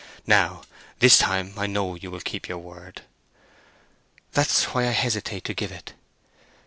Now, this time I know you will keep your word." "That's why I hesitate to give it."